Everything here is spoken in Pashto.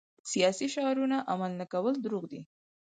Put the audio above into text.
سیاسي شعارونه عمل نه کول دروغ دي.